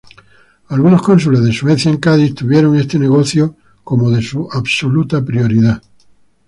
Algunos cónsules de Suecia en Cádiz tuvieron este negocio como de su absoluta prioridad.